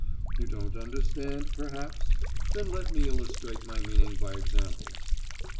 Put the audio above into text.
You don't understand, perhaps? Then let me illustrate my meaning by examples.